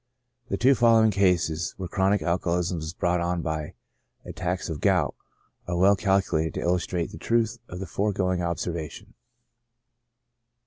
The two following cases, where chronic, alcoholism was brought on by attacks of gout, are well cal culated to illustrate the truth of the foregoing observation.